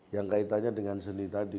yang kaitannya dengan seni tadi